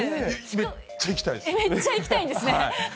めっちゃ行きたいんですね。